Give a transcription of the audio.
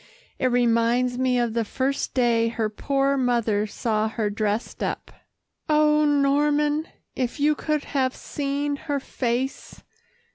It reminds me of the first day her poor mother saw her dressed up. Oh! Norman, if you could have seen her face.